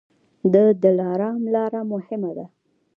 د دلارام لاره مهمه ده